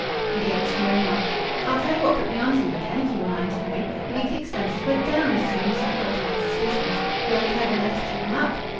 He gave a sneering laugh. "I'll tell ye what put me on to ye again, if you've a mind to know. The weekly expenses went down as soon as ye thought I had suspicions. Ye weren't clever enough to keep 'em up.